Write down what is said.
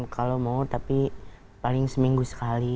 kalau mau tapi paling seminggu sekali